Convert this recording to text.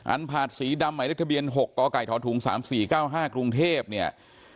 อันผ่านสีดำใหม่เลขทะเบียน๖ตไก่ถอดถุง๓๔๙๕กรุงเทพฯเนี่ย